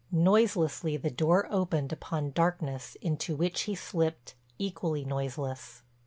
Noiselessly the door opened upon darkness into which he slipped equally noiseless.